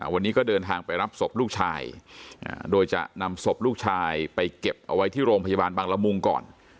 วันนี้ก็เดินทางไปรับศพลูกชายโดยจะนำศพลูกชายไปเก็บเอาไว้ที่โรงพยาบาลบางละมุงก่อน